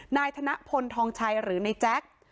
นายธนพลทองชัยหรือในแจ๊ค